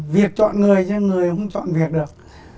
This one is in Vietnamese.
việc chọn người chứ người không chọn việc được